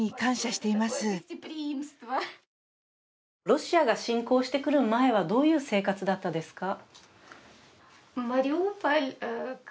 ロシアが侵攻してくる前はどういう生活だったですか？